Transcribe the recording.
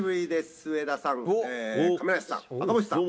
上田さん、亀梨さん、赤星さん。